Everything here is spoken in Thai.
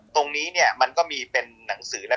ตรงนี้เนี่ยมันก็มีเป็นหนังสือ